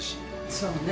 そうね。